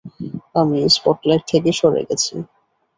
আমি স্পটলাইট থেকে সরে গেছি।